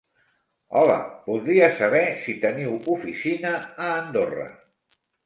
Hola, voldria saber si teniu oficina a Andorra.